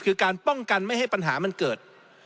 คือการป้องกันไม่ให้ปัญหามันเกิด